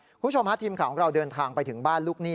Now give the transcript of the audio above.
คุณผู้ชมฮะทีมข่าวของเราเดินทางไปถึงบ้านลูกหนี้